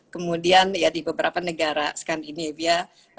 kemudian ya di beberapa negara skandinavia